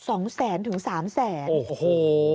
โอ้โฮ